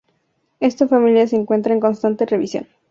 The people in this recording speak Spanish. Esta familia se encuentra en constante revisión.